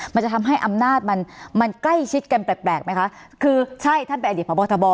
มันจะทำให้อำนาจมันมันใกล้ชิดกันแปลกไหมคะคือใช่ท่านเป็นอดีตพบทบ